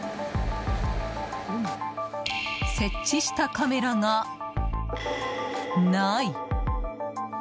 設置したカメラがない！